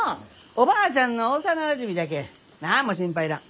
おばあちゃんの幼なじみじゃけん何も心配いらん。